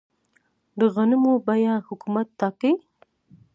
د غنمو بیه حکومت ټاکي؟